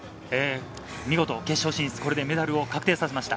見事、決勝進出、これでメダルを確定させました。